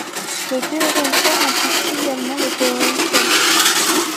Le théorème fort implique trivialement le théorème faible.